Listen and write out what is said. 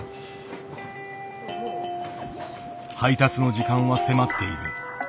配達の時間は迫っている。